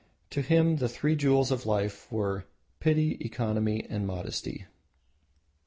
To him the three jewels of life were Pity, Economy, and Modesty.